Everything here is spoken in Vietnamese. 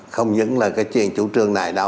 không những là cái chuyện chủ trương này đâu